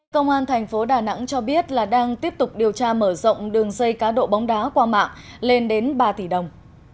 công an thành phố đà nẵng cho biết là đang tiếp tục điều tra mở rộng đường dây cá độ bóng đá qua mạng lên đến ba tỷ đồng